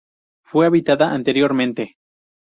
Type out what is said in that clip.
Fue habitada anteriormente.